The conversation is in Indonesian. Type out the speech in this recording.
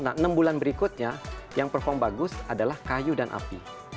nah enam bulan berikutnya yang perform bagus adalah kayu dan api